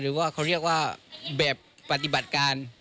หรือว่าคำว่าแบบปฏิบัติการ